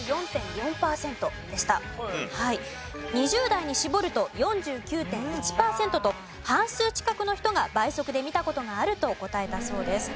２０代に絞ると４９．１パーセントと半数近くの人が倍速で見た事があると答えたそうです。